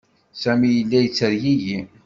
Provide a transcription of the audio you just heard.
Sami yella yettergigi.